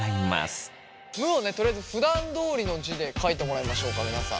「む」をねとりあえずふだんどおりの字で書いてもらいましょうか皆さん。